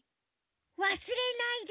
「わすれないでね。